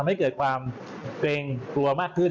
ให้เกิดความเกรงกลัวมากขึ้น